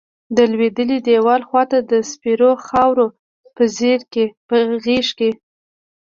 د لویدلیی دیوال خواتہ د سپیرو خاور پہ غیز کیی